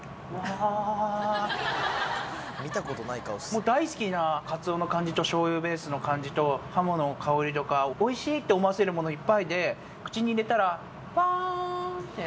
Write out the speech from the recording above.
もう大好きなかつおの感じとしょうゆベースの感じと鴨の香りとかおいしいって思わせるものいっぱいで口に入れたらふわぁって。